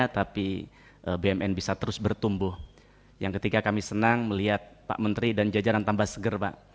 tapi bmn bisa terus bertumbuh yang ketika kami senang melihat pak menteri dan jajaran tambah seger pak